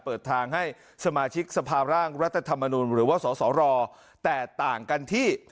เปิดทางให้สมาชิกสภาร่างรัฐธรรมนุนหรือว่าสสรแตกต่างกันที่